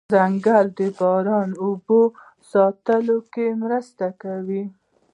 ځنګل د باران اوبو ساتلو کې مرسته کوي